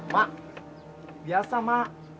mak biasa mak